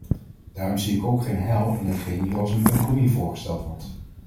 Daarom zie ik ook geen heil in hetgeen hier als een compromis voorgesteld wordt.